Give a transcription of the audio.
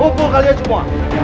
hukum kalian semua